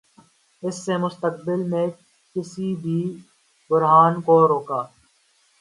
اس سے مستقبل میں کسی بھی بحران کو روکا